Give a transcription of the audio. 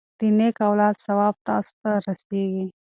د نیک اولاد ثواب تاسو ته رسیږي.